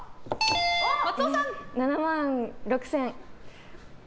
７万６０００円。